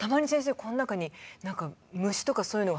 この中に何か虫とかそういうのが？